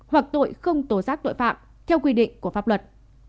hoặc tội không tố giác tội phạm theo quy định của pháp luật